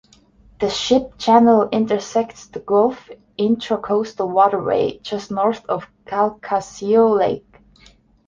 The ship channel intersects the Gulf Intracoastal Waterway just north of Calcasieu Lake.